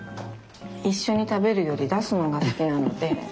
一緒に食べるより出すのが好きなので。